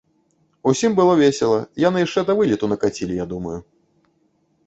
Усім было весела, яны яшчэ да вылету накацілі, я думаю.